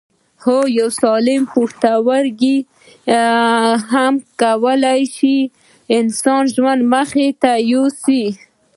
هو یو سالم پښتورګی هم کولای شي د انسان ژوند مخ ته یوسي